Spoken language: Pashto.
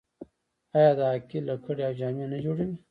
آیا د هاکي لکړې او جامې نه جوړوي؟